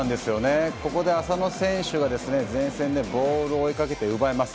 ここで浅野選手は前線でボールを追いかけて奪います。